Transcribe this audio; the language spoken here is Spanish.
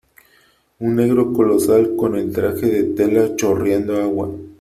un negro colosal , con el traje de tela chorreando agua ,